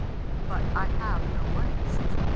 "But I have no money," says the peasant.